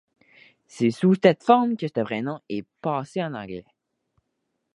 C'est sous cette forme que ce prénom est passé en anglais.